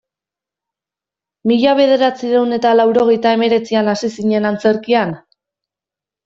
Mila bederatziehun eta laurogeita hemeretzian hasi zinen antzerkian?